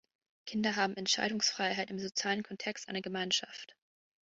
Kinder haben Entscheidungsfreiheit im sozialen Kontext einer Gemeinschaft.